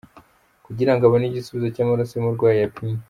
kugira ngo abone igisubizo cy’amaraso y’umurwayi yapimye.